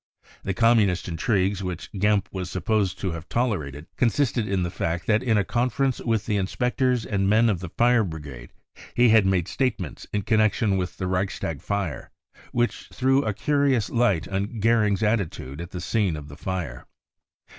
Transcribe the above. The Communist intrigues which Gempp was supposed to have tolerated consisted in. the fact that in a conference with the inspectors and men of the fire brigade he had made statements in connection with the Reichstag fire which threw a curious light on Gocring's attitude at the scene of the fire.